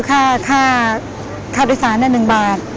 ค่าโดยสารแหละ๑บาท